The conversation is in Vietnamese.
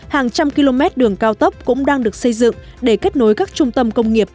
hàng trăm km đường cao tốc cũng đang được xây dựng để kết nối các trung tâm công nghiệp